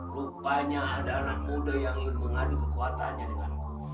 rupanya ada anak muda yang ingin mengadu kekuatannya dengan